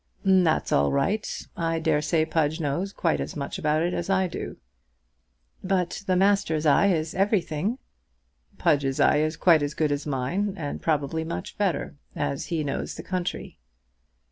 "That's all right. I dare say Pudge knows quite as much about it as I do." "But the master's eye is everything." "Pudge's eye is quite as good as mine; and probably much better, as he knows the country."